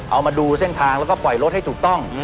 เอามาดูเส้นทางแล้วก็ปล่อยรถให้ถูกต้อง